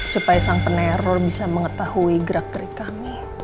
supaya sang peneror bisa mengetahui gerak gerik kami